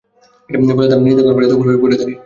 ফলে তারা নিজেদের ঘর-বাড়িতে উপুড় হয়ে পড়ে থাকে।